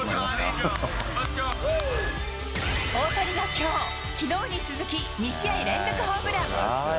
大谷がきょう、きのうに続き、２試合連続ホームラン。